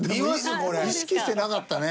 意識してなかったね。